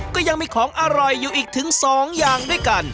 ก็ยังมีของอร่อยอยู่อีกถึง๒อย่างด้วยกัน